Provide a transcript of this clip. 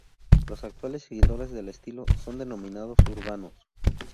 Los actuales seguidores del estilo, son denominados "urbanos".